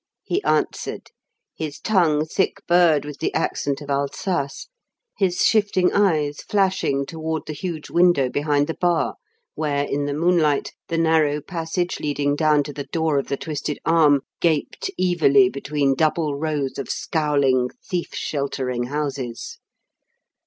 he answered, his tongue thick burred with the accent of Alsace, his shifting eyes flashing toward the huge window behind the bar, where, in the moonlight, the narrow passage leading down to the door of "The Twisted Arm" gaped evilly between double rows of scowling, thief sheltering houses.